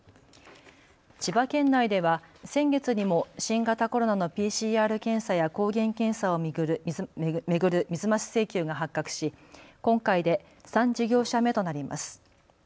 千葉県内では先月にも新型コロナのＰＣＲ検査や抗原検査を巡る水増し請求が発覚し今回で３事業者目となります。